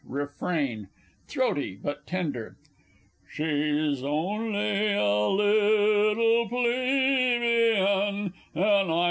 Refrain (throaty, but tender). She's only a little Plebeian!